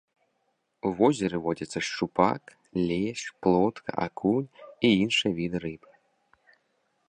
У возеры водзяцца шчупак, лешч, плотка, акунь і іншыя віды рыб.